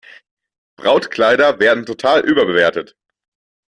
Brautkleider werden total überbewertet.